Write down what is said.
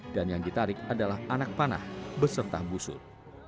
dan yang ditarik adalah anak panah beserta busur